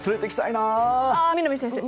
ああ南先生。